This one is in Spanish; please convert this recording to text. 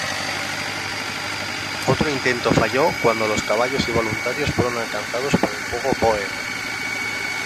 Otro intento falló cuando los caballos y voluntarios fueron alcanzados por el fuego Bóer.